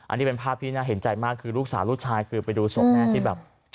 อันนี้เป็นภาพที่น่าเห็นใจมากคือลูกสาวลูกชายคือไปดูศพแม่ที่แบบ